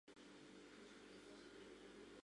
Аклыже, — шонем, — кузе велосипед дене коштын моштем!»